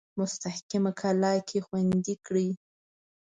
مستحکمه کلا کې خوندې کړي.